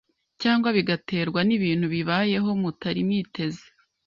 cyangwa bigaterwa n’ibintu bibabayeho mutari mwiteze.